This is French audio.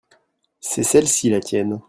c'est celle-ci la tienne.